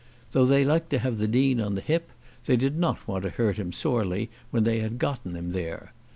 Though they liked to have the Dean on the hip, they did not want to hurt him sorely when they had gotten him there.